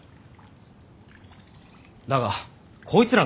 だがこいつらの仕事が。